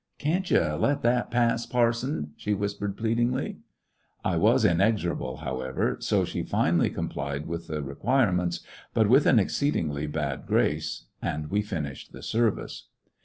"Can't you let that pass, parson!" she whispered pleadingly. I was inexorable, however, so she finally complied with the requirements, but with an exceedingly bad grace, and we finished the service.